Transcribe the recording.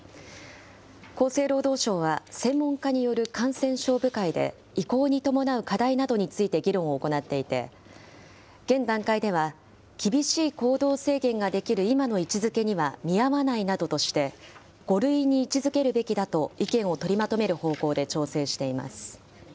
厚生労働省は、専門家による感染症部会で移行に伴う課題などについて議論を行っていて、現段階では厳しい行動制限ができる今の位置づけには見合わないなどとして、５類に位置づけるべきだと意見を取りまとめる方向で調整しています。